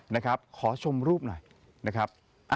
นะครับขอชมรูปหน่อยนะครับ